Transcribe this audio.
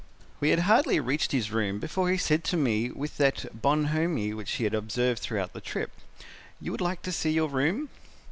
"'We had hardly reached his room before he said to me with that bonhomie which he had observed throughout the trip, 'You would like to see your room?'